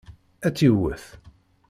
Ad tt-yewwet.